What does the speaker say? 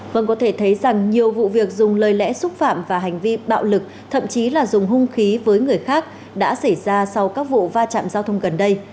vâng có thể thấy rằng nhiều vụ việc dùng lời lẽ xúc phạm và hành vi bạo lực thậm chí là dùng hung khí với người khác đã xảy ra sau các vụ va chạm giao thông gần đây